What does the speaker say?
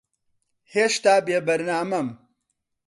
ھێشتا بێبەرنامەم.